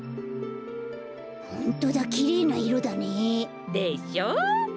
ホントだきれいないろだね。でしょう？